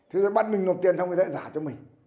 thế bắt mình nộp tiền sao